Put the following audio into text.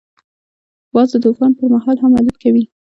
باز د طوفان پر مهال هم الوت کوي